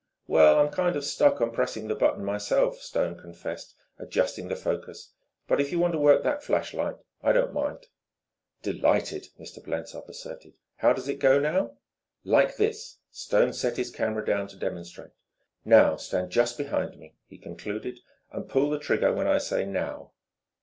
"Well, I'm kind of stuck on pressing the button myself," Stone confessed, adjusting the focus. "But if you want to work that flashlight, I don't mind." "Delighted," Mr. Blensop asserted. "How does it go, now?" "Like this." Stone set his camera down to demonstrate. "Now just stand behind me," he concluded, "and pull the trigger when I say 'now'."